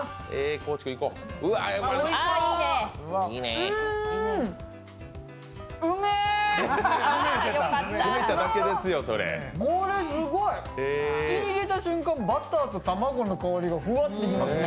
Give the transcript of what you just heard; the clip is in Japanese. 口に入れた瞬間、バターと卵の香りがふわってしますね！